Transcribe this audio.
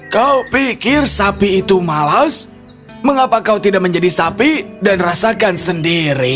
kau pikir sapi itu malas mengapa kau tidak menjadi sapi dan rasakan sendiri